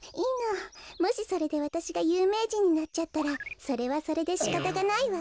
もしそれでわたしがゆうめいじんになっちゃったらそれはそれでしかたがないわ。